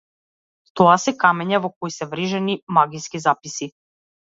Тоа се камења во кои се врежани магиски записи.